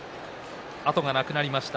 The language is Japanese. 後がなくなりました。